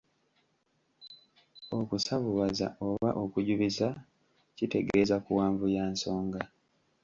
Okusavuwaza oba okujubisa kitegeeza kuwanvuya nsonga.